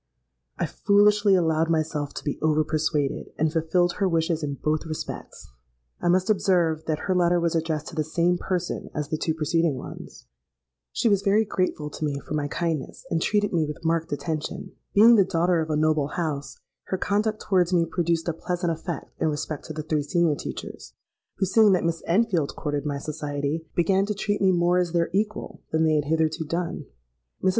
I foolishly allowed myself to be over persuaded, and fulfilled her wishes in both respects. I must observe that her letter was addressed to the same person as the two preceding ones. "She was very grateful to me for my kindness, and treated me with marked attention. Being the daughter of a noble house, her conduct towards me produced a pleasant effect in respect to the three senior teachers, who, seeing that Miss Enfield courted my society, began to treat me more as their equal than they had hitherto done. Mrs.